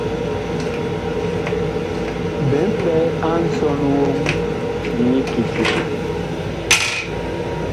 Bi mɓɛ a nsɔn woŋ nyi kiti.